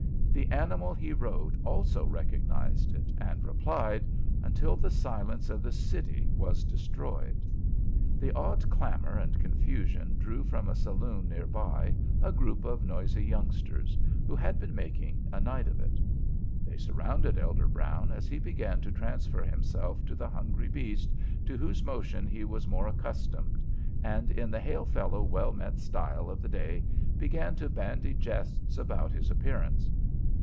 The animal he rode also recognized it, and replied, until the silence of the city was destroyed. The odd clamor and confusion drew from a saloon near by a group of noisy youngsters, who had been making a night of it. They surrounded Elder Brown as he began to transfer himself to the hungry beast to whose motion he was more accustomed, and in the "hail fellow well met" style of the day began to bandy jests upon his appearance.